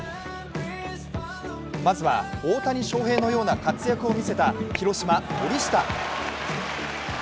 まずは大谷翔平のような活躍を見せた広島・森下。